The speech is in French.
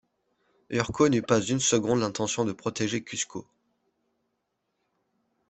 Urco n’eut pas une seconde l’intention de protéger Cusco.